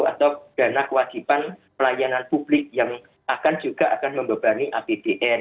atau dana kewajiban pelayanan publik yang akan juga akan membebani apbn